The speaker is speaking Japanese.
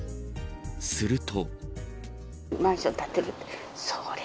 すると。